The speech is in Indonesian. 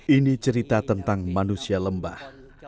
ini cerita tentang manusia lembah